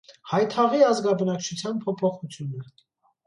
Հայթաղի ազգաբնակչության փոփոխությունը։